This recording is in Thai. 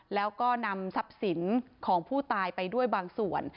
แล้วก็นำทรัพย์สินของผู้ตายไปด้วยบางส่วน